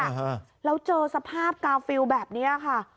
อ่าฮะเราเจอสภาพกาลฟิลแบบเนี้ยค่ะ